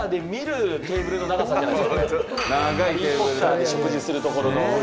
「ハリー・ポッター」で食事するところの。